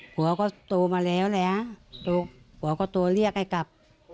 ผัวก็โตมาแล้วนะผัวก็โทรเรียกให้กลับ